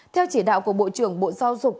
theo chỉ đạo của bộ trưởng bộ giáo dục